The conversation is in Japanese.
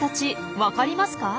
分かりますか？